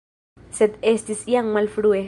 Sed estis jam malfrue.